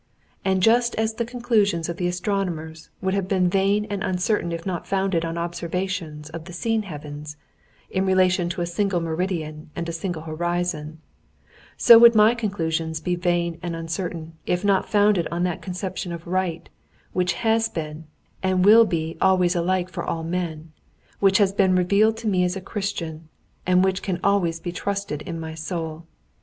And just as the conclusions of the astronomers would have been vain and uncertain if not founded on observations of the seen heavens, in relation to a single meridian and a single horizon, so would my conclusions be vain and uncertain if not founded on that conception of right, which has been and will be always alike for all men, which has been revealed to me as a Christian, and which can always be trusted in my soul.